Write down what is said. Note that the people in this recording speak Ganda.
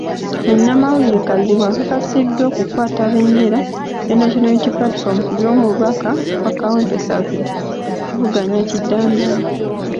Munnamawulire Kazibwe akakasiddwa okukwata bbendera ya National Unity Platform ku ky'omubaka wa Kawempe South ng'avuganya Kidandala.